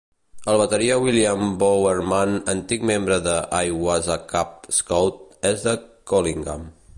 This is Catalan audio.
El bateria William Bowerman, antic membre de I was a cub scout, és de Collingham.